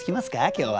今日は。